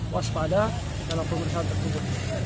waspada telah pemerintahan tertentu